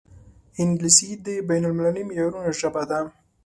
انګلیسي د بین المللي معیارونو ژبه ده